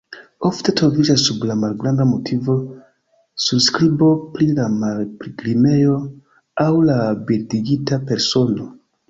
Ofte troviĝas sub la malgranda motivo surskribo pri la pilgrimejo aŭ la bildigita persono.